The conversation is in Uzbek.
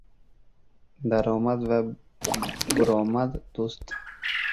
• Daromad va buromad ― do‘st.